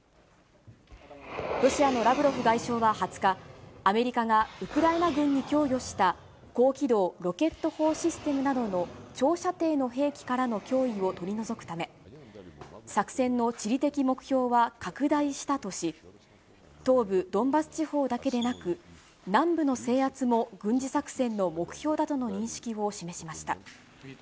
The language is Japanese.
ロシアのラブロフ外相は２０日、アメリカがウクライナ軍に供与した、高機動ロケット砲システムなどの長射程の兵器からの脅威を取り除くため、作戦の地理的目標は拡大したとし、東部ドンバス地方だけでなく、南部の制圧も軍事作戦の目標だとの認識を示しました。